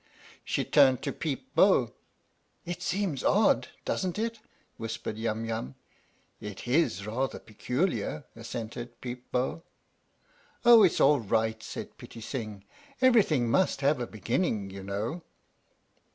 She turned to Peep Bo. "It seems odd, doesn't it?" whispered Yum Yum. " It is rather peculiar," assented Peep Bo. " Oh, it 's all right," said Pitti Sing. " Everything must have a beginning, you know."